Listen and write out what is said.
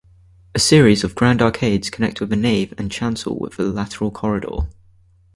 A series of grand arcades connect the nave and chancel with the lateral corridor.